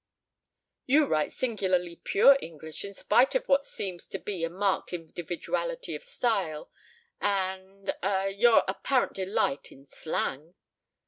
"You write singularly pure English, in spite of what seems to me a marked individuality of style, and ah your apparent delight in slang!"